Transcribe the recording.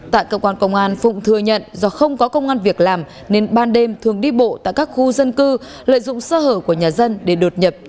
tại cơ quan công an phụng thừa nhận do không có công an việc làm nên ban đêm thường đi bộ tại các khu dân cư lợi dụng sơ hở của nhà dân để đột nhập trộm cắp tài sản